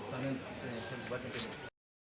สำนักศึกษาติธรรมดา